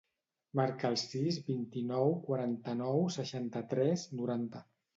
Marca el sis, vint-i-nou, quaranta-nou, seixanta-tres, noranta.